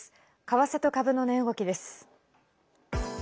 為替と株の値動きです。